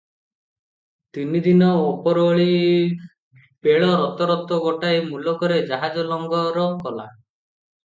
ତିନିଦିନ ଦିନ ଓପରଓଳି ବେଳ ରତରତ ଗୋଟାଏ ମୁଲକରେ ଜାହାଜ ଲଙ୍ଗର କଲା ।